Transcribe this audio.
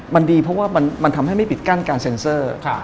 มันดีเพราะว่ามันทำให้ไม่ปิดกั้นการเซ็นเซอร์